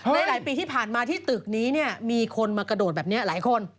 หลายปีที่ผ่านมาที่ตึกนี้เนี่ยมีคนมากระโดดแบบนี้หลายคน